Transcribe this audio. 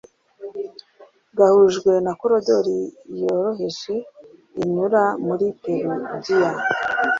gahujwe na koridoro yoroheje inyura muri Perugiya .